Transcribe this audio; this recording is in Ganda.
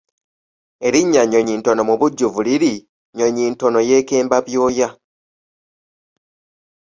Erinnya Nyonyintono mubujjuvu liri Nyonyintono yeekemba byoya.